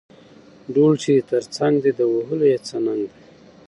ـ ډول چې دې تر څنګ دى د وهلو يې څه ننګ دى.